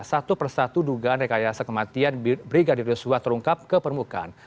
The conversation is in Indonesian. satu persatu dugaan rekayasa kematian brigadir yosua terungkap ke permukaan